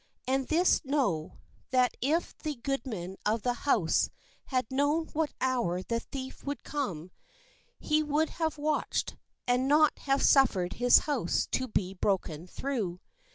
And this know, that if the goodman of the house had known what hour the thief would come, he would mmmmmms H nave watched, and not have suffered his house to be broken through.